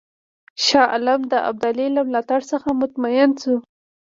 شاه عالم د ابدالي له ملاتړ څخه مطمئن شو.